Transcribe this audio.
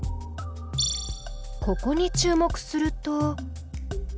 ここに注目すると。